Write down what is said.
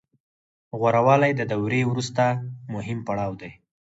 غوره والی د دورې وروستی مهم پړاو دی